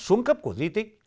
xuống cấp của di tích